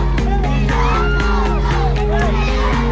ไปไว้